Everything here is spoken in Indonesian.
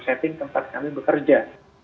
setting tempat kami bekerja